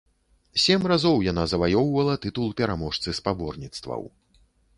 Сем разоў яна заваёўвала тытул пераможцы спаборніцтваў.